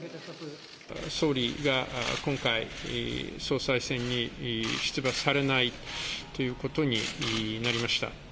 総理が今回、総裁選に出馬されないということになりました。